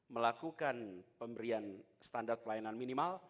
melakukan pemberian standar pelayanan minimal